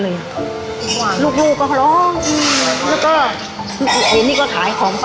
ลูกแล้วก็ร้อง